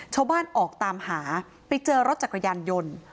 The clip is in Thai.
ชาวบ้านออกตามหาไปเจอรถจักรยานยนต์